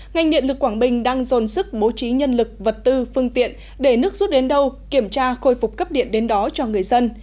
ngành điện lực quảng bình đang dồn sức bố trí nhân lực vật tư phương tiện để nước rút đến đâu kiểm tra khôi phục cấp điện đến đó cho người dân